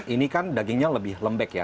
ini kan dagingnya lebih lembek ya